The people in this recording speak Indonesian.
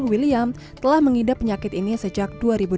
william telah mengidap penyakit ini sejak dua ribu dua belas